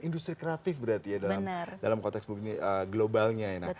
industri kreatif berarti ya dalam konteks globalnya